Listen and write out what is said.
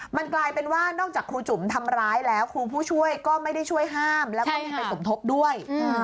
มันกลายเป็นว่านอกจากครูจุ๋มทำร้ายแล้วครูผู้ช่วยก็ไม่ได้ช่วยห้ามแล้วก็ไม่ไปสมทบด้วย